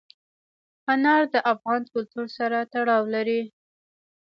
انار د افغان کلتور سره تړاو لري.